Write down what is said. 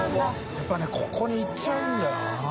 笋辰僂蠅ここにいっちゃうんだよな。